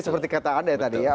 seperti kata anda tadi ya